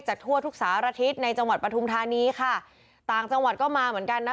ทั่วทุกสารทิศในจังหวัดปฐุมธานีค่ะต่างจังหวัดก็มาเหมือนกันนะ